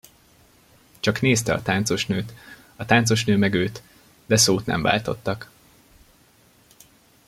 Csak nézte a táncosnőt, a táncosnő meg őt, de szót nem váltottak.